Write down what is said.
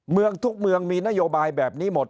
เมืองทุกเมืองมีนโยบายแบบนี้หมด